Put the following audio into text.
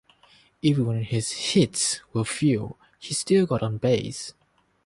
Even when his hits were few, he still got on base.